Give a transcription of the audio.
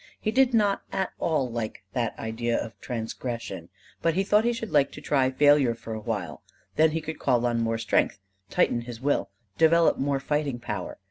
He did not at all like that idea of transgression; but he thought he should like to try failure for a while; then he could call on more strength, tighten his will, develop more fighting power.